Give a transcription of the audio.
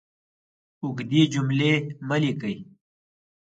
اوږدې جملې مه لیکئ!